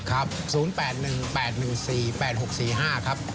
ครับ๐๘๑๘๑๔๘๖๔๕ครับ